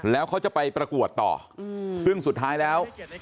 แล้วเขาจะไปประกวดต่อซึ่งสุดท้ายแล้ว